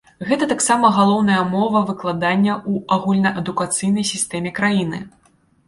Гэта таксама галоўная мова выкладання ў агульнаадукацыйнай сістэме краіны.